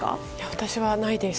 私はないです。